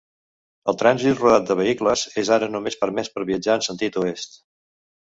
El trànsit rodat de vehicles és ara només permès per viatjar en sentit oest.